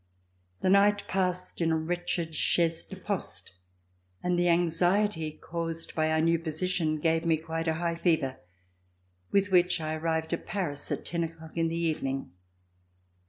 The night passed in a wretched chaise de poste and the anxiety caused by our new position gave me quite a high fever, with which I arrived at Paris at ten o'clock in the evening.